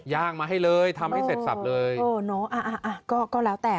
ย่างมาให้เลยทำให้เสร็จสับเลยโอ้เนอะอ่ะก็ก็แล้วแต่